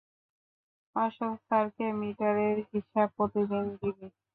অশোক স্যারকে মিটারের হিসাব প্রতিদিন দিবি।